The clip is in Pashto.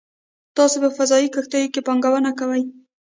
تاسو په فضايي کښتیو کې پانګونه کوئ